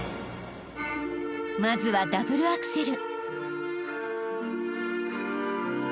［まずはダブルアクセル］